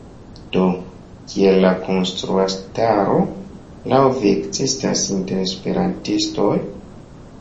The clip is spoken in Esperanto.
Do, kial la kontraŭstaro laŭ vi ekzistas inter esperantistoj?